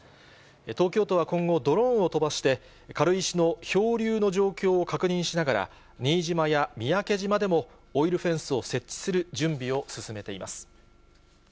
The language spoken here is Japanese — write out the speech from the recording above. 東京都は今後、ドローンを飛ばして、軽石の漂流の状況を確認しながら、新島や三宅島でもオイルフェンスを設置する準備を進めています。